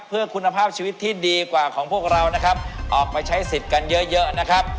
เพื่อคุณภาพชีวิตที่ดีกว่าของพวกเรานะครับออกไปใช้สิทธิ์กันเยอะเยอะนะครับ